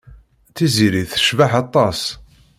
Tiziri tecbeḥ aṭas.